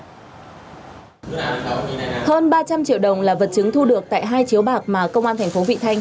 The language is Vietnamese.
hơn ba trăm linh triệu đồng là vật chứng thu được tại hai chiếu bạc mà công an thành phố vị thanh